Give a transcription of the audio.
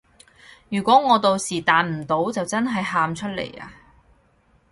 如果我到時彈唔到就真係喊出嚟啊